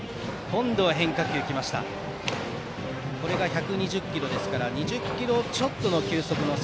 変化球１２０キロですから２０キロちょっとの球速の差。